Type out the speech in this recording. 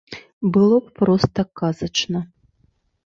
Было б проста казачна.